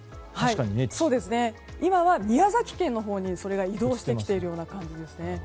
今は宮崎県のほうにそれが移動してきている感じですね。